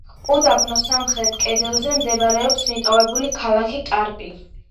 უდაბნოს სამხრეთ კიდეზე მდებარეობს მიტოვებული ქალაქი კარპი.